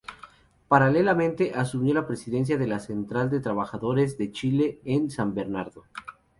Paralelamente, asumió la presidencia de la Central de Trabajadores de Chile en San Bernardo.